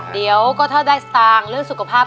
เดี๋ยวก็ถ้าได้สตางค์เรื่องสุขภาพ